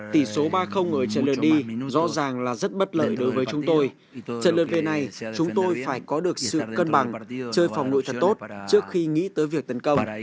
tỷ số ba ở trên đời đi rõ ràng là rất bất lợi đối với chúng tôi trận lượt về này chúng tôi phải có được sự cân bằng chơi phòng nội thật tốt trước khi nghĩ tới việc tấn công